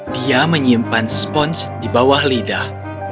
dia menyimpan sponge di bawah lidah